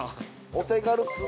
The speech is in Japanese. お手軽鼓。